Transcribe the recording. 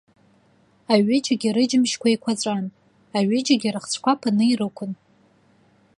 Аҩыџьагьы рыџьымшьқәа еиқәаҵәан, аҩыџьагьы рыхцәқәа ԥаны ирықәын.